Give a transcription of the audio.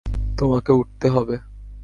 তোমাকে উঠতে হবে।